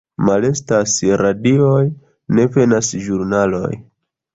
Malestas radioj, ne venas ĵurnaloj.